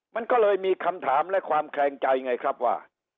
มันก็เลยมีคำถามและความแคลงใจไงครับว่า